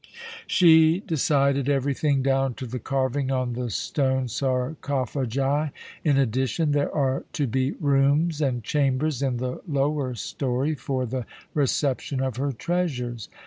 "She decided everything, down to the carving on the stone sarcophagi. In addition, there are to be rooms and chambers in the lower story for the reception of her treasures.